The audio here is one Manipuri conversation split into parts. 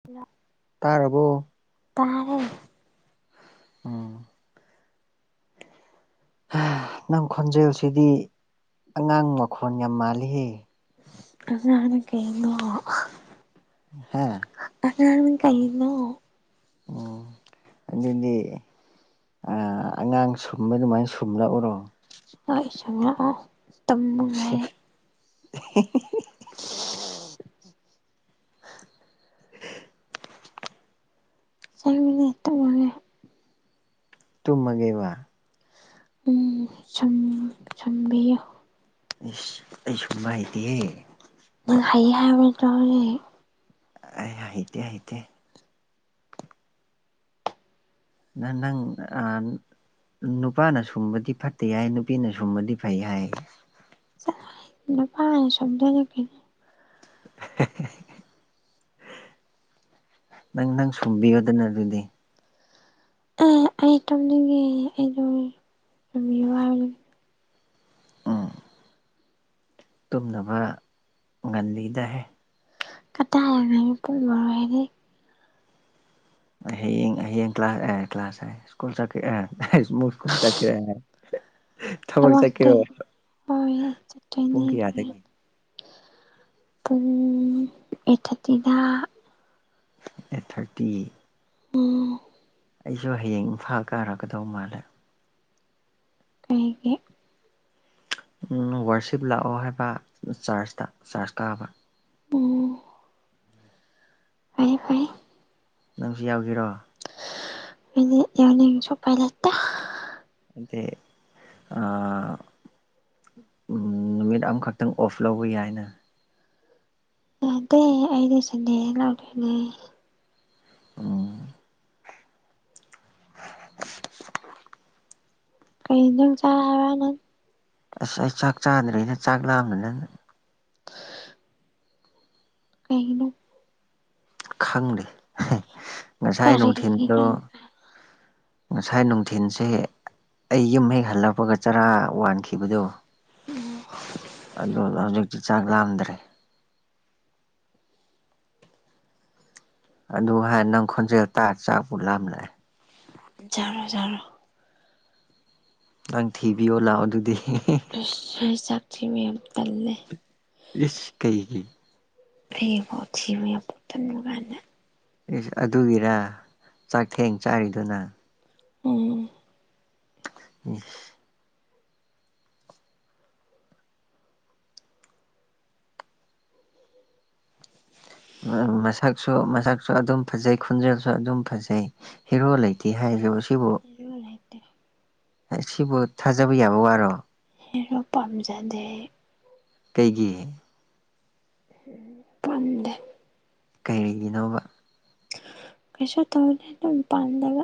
[inaudible] ꯇꯥꯔꯕꯣ ꯇꯥꯔꯦ ꯎꯝ ꯅꯪ ꯈꯣꯟꯖꯦꯜꯁꯤꯗꯤ ꯑꯉꯥꯡ ꯃꯈꯣꯟ ꯌꯥꯝ ꯃꯥꯜꯂꯤꯍꯦ ꯑꯉꯥꯪ ꯀꯩꯅꫭ ꯍꯥꯥ ꯑꯉꯥꯡꯅ ꯀꯩꯅꯣ ꯎꯝ ꯑꯗꯨꯗꯤ ꯑ ꯑꯉꯥꯡ ꯁꯨꯝꯕ ꯑꯗꯨꯃꯥꯏꯅ ꯁꯨꯝꯂꯛꯎꯔꯣ ꯅ ꯇꯝꯃꯉ [unintelligible] [unintelligible] [inaudible] ꯆꯪꯃꯤꯅ‌ꯦ ꯇꫭꯛꯑꯒ‌ꯦ ꯇꯨꯝꯃꯒꯦꯕꯥ ꯎꯝ ꯁꯨꯝ ꯁꯨꯝꯕꯤꯌꯨ ꯏꯁꯩ ꯑꯩ ꯁꯨꯝꯕ ꯍꯩꯇꯊ‌ꯦ ꯅꯪ ꯍꯩ ꯍꯥꯏꯔꯕ ꯅꯠꯇꯔꫭ ꯍꯩ ꯍꯥꯏꯍꯤꯇ ꯍꯥꯏꯍꯤꯇ ꯅꯪ ꯅꯪ ꯑ ꯅꯨꯄꯥꯅ ꯁꯨꯝꯕꯗꯤ ꯐꯠꯇꯦ ꯍꯥꯏ ꯅꯨꯄꯤꯅ ꯁꯨꯝꯕꯗꯤ ꯐꯩ ꯍꯥꯏ [unintelligible] ꯍꯥ ꯍꯥ ꯍꯥ ꯍꯥ ꯍꯥ ꯅꯪ ꯅꯪ ꯁꯨꯝꯕꯤꯌꯗꯅ ꯑꯗꯨꯗꯤ ꯑ ꯑꯩ ꯇꯝꯅꯤꯡꯉꯦ ꯑꯩꯗꯣ ꯇꯝꯕꯤꯌꯨ ꯍꯥꯏꯕꯅ‌ꯦ ꯎꯝ ꯇꯨꯝꯅꯕ ꯉꯜꯂꯤꯗꯍꯦ ꯀꯗꯥꯏ ꯄꯨꯡ ꯙꯥꯔꫭ ꯍ‌ꯦꯜꯂ‌ꯦ ꯍꯌꯦꯡ ꯍꯌꯦꯡ ꯀ꯭ꯂꯥꯁ ꯑꯦ ꯀ꯭ꯂꯥꯁ ꯍꯥꯏ ꯁ꯭ꯀꯨꯜ ꯆꯔꯤ ꯁꯀꯨꯜ ꯆꯀꯤꯔꯤ ꯇꯃꯣꯇ ꯍ ꯆ ꯇ ꯄꯨꯡ ꯀꯌꯥꯗꯒꯤ [unintelligible] ꯄꯨꯡ ꯑꯦꯊꯇꯤꯗ ꯑꯥꯏꯠ ꯊꯥꯔꯇꯤ ꯑꯣ ꯑꯩꯁꯨ ꯍꯌꯦꯡ ꯏꯝꯐꯥꯜ ꯀꯥꯔꯛꯀꯗꯧ ꯃꯥꯜꯂꯦ ꯑꯩꯒꯤ ꯎꯝ ꯋꯥꯔꯁꯤꯞ ꯂꯥꯛꯑꯣ ꯍꯥꯏꯕ ꯆꯥꯔꯖꯇ ꯆꯥꯔꯖ ꯀꯥꯕ ꯑꯣ ꯐꯩ-ꯐꯩ ꯅꯪꯁꯨ ꯌꯥꯎꯒꯦꯔꯣ ꯌꯥꯎꯅꯤꯡꯁꯨ ꯄꯥꯏ ꯂꯩꯇꯦ ꯑꯥ ꯎꯝ ꯅꯨꯃꯤꯠ ꯑꯃꯈꯛꯇꯪ ꯑꯣꯐ ꯂꯧꯕ ꯌꯥꯏꯅ ꯌꯥꯗ ꯑꯩ ꯂꫭꯏꯁꯜꯂꯗꯅ ꯂꯧꯗꫭꯏꯅ ꯎꯝ ꯀꯩ ꯏꯟꯖꯥꯡ ꯆꯥꯔ ꯅꯪ ꯑꯁ ꯑꯩ ꯆꯥꯛ ꯆꯥꯗ꯭ꯔꯤꯅ ꯆꯥꯛ ꯂꯥꯝꯕꯅ ꯀꯩꯍꯅꯣ ꯈꯪꯗꯦ ꯉꯁꯥꯏ ꯅꯨꯡꯊꯤꯟꯗꯣ ꯀꯔꯤꯒꯤꯅꯣ ꯉꯁꯥꯏ ꯅꯨꯡꯊꯜꯁꯦ ꯑꯩ ꯌꯨꯝ ꯍꯦꯛ ꯍꯜꯂꯛꯄꯒ ꯆꯔꯥ ꯋꯥꯟꯈꯤꯕꯗꯣ ꯑꯗꯨ ꯍꯧꯖꯤꯛꯇꯤ ꯆꯥꯛ ꯂꯥꯝꯗ꯭ꯔꯦ ꯑꯗꯨ ꯍꯥꯟꯅ ꯅꯪ ꯈꯣꯟꯖꯦꯜ ꯇꯥꯔ ꯆꯥꯛꯄꯨ ꯂꯥꯝꯂꯛꯑꯦ ꯖꯥꯔꯣ ꯖꯥꯔꯣ ꯅꯪ ꯊꯤꯕꯤꯌꯣ ꯂꯥꯛꯑꯣ ꯑꯗꯨꯗꯤ ꯍ ꯆꯥꯛꯁꯤꯦ ꯃꯌꯥꯝ ꯇꯜꯂꯦ ꯏꯁ ꯀꯩꯒꯤ ꯑꯩꯕꯨ ꯑꯊꯤꯕ ꯌꯥꯝꯄꯣꯛꯊꯟꯕ ꯀꯥꯏꯅ ꯏꯁ ꯑꯗꯨꯒꯤꯔ ꯆꯥꯛꯊꯦꯡ ꯆꯥꯔꯤꯗꯨꯅ ꯎꯝ ꯎꯝ ꯃꯁꯛꯁꯨ ꯃꯁꯛꯁꯨ ꯑꯗꯨꯝ ꯐꯖꯩ ꯈꯣꯟꯖꯦꯜꯁꯨ ꯑꯗꯨꯝ ꯐꯖꯩ ꯍꯦꯔꯣ ꯂꯩꯇꯦ ꯍꯥꯏꯁ ꯁꯤꯕꯨ [unintelligible] ꯁꯤꯕꯨ ꯊꯥꯖꯕ ꯌꯥꯕ ꯋꯥꯔꯣ ꯍ‌ꯦꯔꫭ ꯄꯝꯖꯗꯦ ꯀꯩꯒꯤ ꯄꯝꯗꯦ ꯀꯔꯤꯒꯤꯅꯣꯕ ꯀꯁ ꯇꯍꯅ ꯄꯥꯟꯗꯕ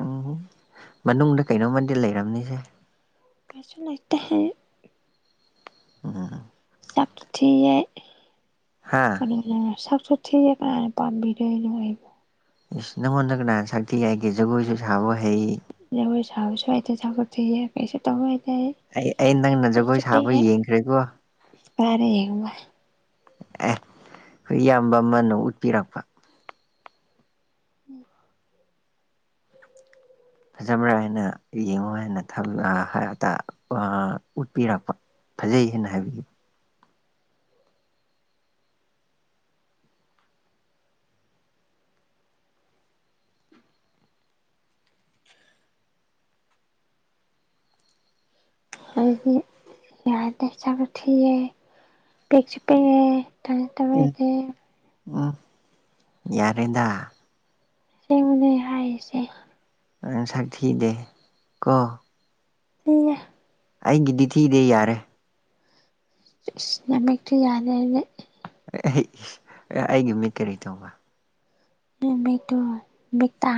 ꯎꯝ ꯃꯅꯨꯡꯗ ꯀꯩꯅꯣꯝꯃꯗꯤ ꯂꯩꯔꯝꯅꯤꯁꯦ ꯀꯩꯁꯨ ꯂꯩꯇꯦ ꯍꯥꯏ ꯎꯝ ꯆꯥꯛ ꯊꯤꯌ‌ꯦ ꯍꯥꯥ ꯁꯥꯛꯁꯨ ꯊꯤꯌ‌ꯦ ꯀꯥꯅꯅ ꯄꯥꯝꯕꯤꯗꫭꯏꯅꫭ ꯏꯁ ꯅꯪꯉꯣꯟꯗ ꯀꯅꯅ ꯁꯛ ꯊꯤ ꯍꯥꯏꯒ‌ꯦ ꯖꯒꯣꯏꯁꯨ ꯁꯥꯕ ꯍꯩ ꯖꯒꯣꯏ ꯁꯥꯕꯁꯨ ꯍꯩꯇꯦ ꯊꯥꯒꯠꯇꯦꯍꯦ ꯀꯩꯁꯨ ꯇꯧ ꯍꯩꯇꯦꯍꯦ ꯑꯩ ꯑꯩ ꯅꯪꯅ ꯖꯒꯣꯏ ꯁꯥꯕ ꯌꯦꯡꯈ꯭ꯔꯦꯀꯣ ꯐꯔꯦ ꯌꯦꯕ ꯑꯦ ꯍꯏꯌꯥꯝꯕ ꯑꯃꯅꯥ ꯎꯠꯄꯤꯔꯛꯄ ꯎꯝ ꯐꯖꯕ꯭ꯔꯥ ꯍꯥꯏꯅ ꯌꯦꯡꯉꯣ ꯍꯥꯏꯅ ꯊꯧ ꯑ ꯍꯥ ꯇꯥ ꯑ ꯎꯠꯄꯤꯔꯛꯄ ꯐꯖꯩ ꯍꯥꯏꯅ ꯍꯥꯏꯕꯗꯤ ꯍꯥꯏꯗꯤ ꯌꯥꯗ ꯆꯥꯛꯁꯨ ꯊꯤꯌ‌ꯦ ꯄꯦꯛꯁꯨ ꯄꯦꯛꯉꯦ ꯇ ꯎꯝ ꯇꯕꯗꯤ ꯎꯝ ꯌꯥꯔꯦꯗ ꯑꯁ‌ꯦꯡꯕꯅ‌ꯦ ꯍꯥꯏꯁ‌ꯦ ꯁꯛ ꯊꯤꯗꯦ ꯀꯣ [unintelligible] ꯑꯩꯒꯤꯗꯤ ꯊꯤꯗꯦ ꯌꯥꯔꯦ ꯏꯁ ꯅꯃꯤꯛꯇꯨ ꯌꯥꯅ ꯅꯤꯅ ꯑꯩ ꯑꯩꯒꯤ ꯃꯤ ꯀꯔꯤ ꯇꯧꯕ ꯅꯨꯃꯤꯛꯇꯃꯤꯛꯇ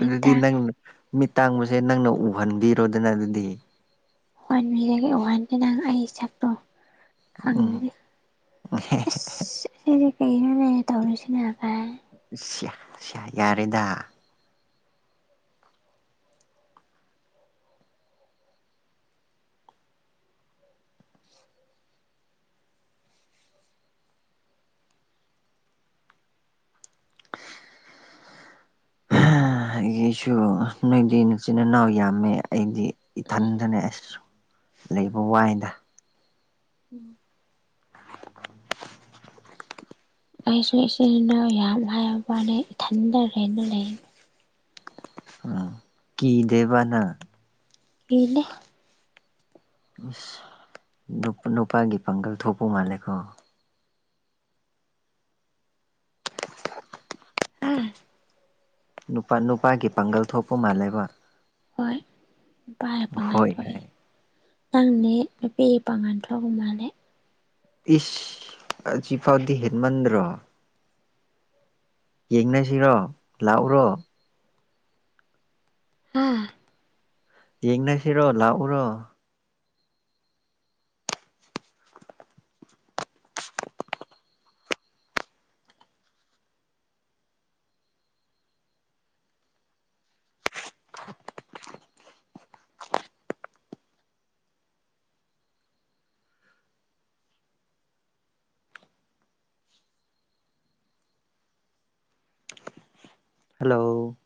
ꯑꯗꯨꯗꯤ ꯇꯥꯡꯉꯦ ꯅꯪꯅ ꯃꯤꯠ ꯇꯥꯡꯕꯁꯦ ꯅꯪꯅ ꯎꯍꯟꯕꯤꯔꯣꯗꯅ ꯑꯗꯨꯗꯤ ꯎꯍꯟꯕꯤꯔꯒꯦ ꯎꯍꯟꯒꯦ ꯅꯪ ꯑꯩ ꯁꯛꯇꯣ ꯎꯝ ꯈꯪꯗꯦ ꯑꯁ ꯁꯤꯗꯤ ꯀꯩꯅꯣꯅꯦ ꯇꯧꯔꯤꯁꯤꯅ ꯀꯥꯏꯅ ꯁꯤꯌꯥ ꯁꯤꯌꯥ ꯌꯥꯔꯦꯗ ꯑ ꯑꯩꯒꯤꯁꯨ ꯅꯣꯏꯗꯤ ꯏꯆꯤꯟ ꯏꯅꯥꯎ ꯌꯥꯝꯃꯦ ꯑꯩꯗꯤ ꯏꯊꯟꯗꯅꯦ ꯑꯁ ꯂꯩꯕ ꯋꯥꯏꯗ ꯎꯝ ꯑꯩꯁꯨ ꯏꯆꯤꯜ ꯏꯅꯥꯎ ꯌꯥꯝ ꯍꯥꯏꯕ ꯋꯥꯅꯦ ꯏꯊꯟꯗꯔꯦꯅ ꯂꯩ ꯑ ꯀ ꯗꯦꯕꯅ ꯏꯩꯅ ꯏꯁꯁ ꯅꯨꯄꯥꯒꯤ ꯄꯥꯡꯒꯜ ꯊꯣꯛꯄ ꯃꯥꯜꯂꯦꯀꯣ ꯍꯥ ꯅꯨꯄꯥ ꯅꯨꯄꯥꯒꯤ ꯄꯥꯡꯒꯜ ꯊꯣꯛꯄ ꯃꯥꯜꯂꯦꯕ ꯅꯨꯄꯥꯒꯤ ꯄꯥꯡꯉꯥꯟ ꯍꯣꯏ ꯊꯣꯛꯑꯦ ꯍꯥꯏ ꯅꯪꯅꯦ ꯅꯨꯄꯤꯒꯤ ꯄꯥꯡꯉꯥꯟ ꯊꯣꯛꯣꯛꯒꯨꯝ ꯃꯥꯜꯂꯦ ꯏꯁ ꯍꯧꯖꯤꯐꯥꯎꯗꯤ ꯍꯦꯟꯃꯟꯗ꯭ꯔꯣ ꯌꯦꯡꯅꯁꯤꯔꯣ ꯂꯥꯛꯎꯔꯣ ꯎꯝ ꯌꯦꯡꯅꯁꯤꯔꯣ ꯂꯥꯛꯎꯔꯣ ꯍꯜꯂꯣ